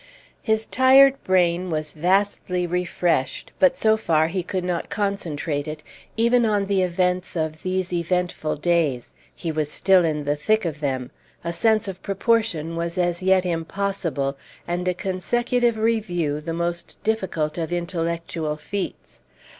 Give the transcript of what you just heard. His tired brain was vastly refreshed, but so far he could not concentrate it, even on the events of these eventful days. He was still in the thick of them. A sense of proportion was as yet impossible, and a consecutive review the most difficult of intellectual feats.